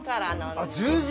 あっ１０時。